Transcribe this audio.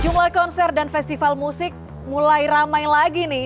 jumlah konser dan festival musik mulai ramai lagi nih